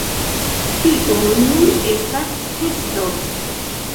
Tio nur estas testo.